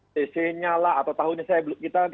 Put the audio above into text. tc nya lah atau tahunnya saya belum